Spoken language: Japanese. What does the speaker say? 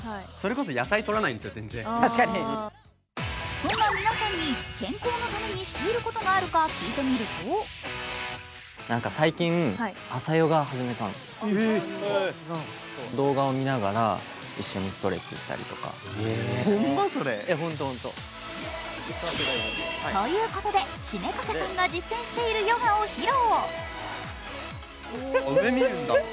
そんな皆さんに健康のためにしていることがあるか聞いてみるとということで七五三掛さんが実践しているヨガを披露。